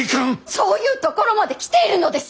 そういうところまで来ているのです！